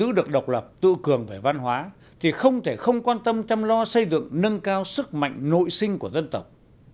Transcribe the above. giữ được độc lập tự cường về văn hóa thì không thể không quan tâm chăm lo xây dựng nâng cao sức mạnh nội sinh của dân tộc